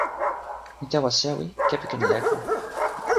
mi tawa sewi kepeken leko.